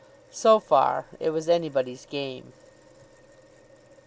So far it was anybody's game.